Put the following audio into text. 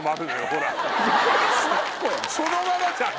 そのままじゃん！